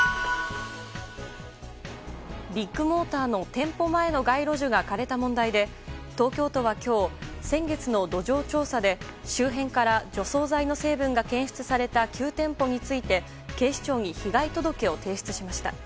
ビッグモーターの店舗前の街路樹が枯れた問題で東京都は今日先月の土壌調査で周辺から除草剤の成分が検出された９店舗について警視庁に被害届を提出しました。